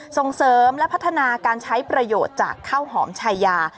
ส่งเสริมและพัฒนาการใช้ประโยชน์จากข้าวหอมชายา